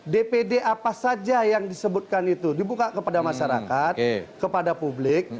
dpd apa saja yang disebutkan itu dibuka kepada masyarakat kepada publik